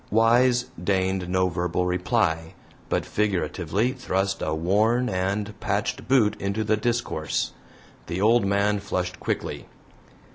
Wise deigned no verbal reply, but figuratively thrust a worn and patched boot into the discourse. The old man flushed quickly.